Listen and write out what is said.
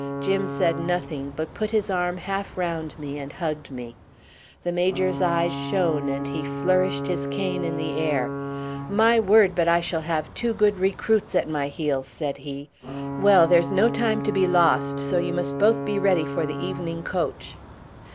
Jim said nothing, but put his arm half round me and hugged me. The Major's eyes shone and he flourished his cane in the air. "My word, but I shall have two good recruits at my heels," said he. "Well, there's no time to be lost, so you must both be ready for the evening coach."